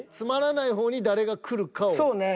そうね。